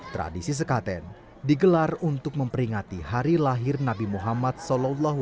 tradisi sekaten digelar untuk memperingati hari lahir nabi muhammad saw